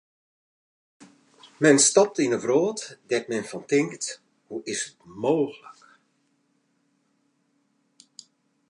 Men stapt yn in wrâld dêr't men fan tinkt: hoe is it mooglik.